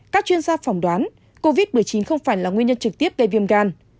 các chuyên gia phỏng đoán covid một mươi chín không phải là nguyên nhân trực tiếp gây viêm gan